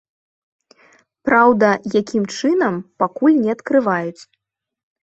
Праўда, якім чынам, пакуль не адкрываюць.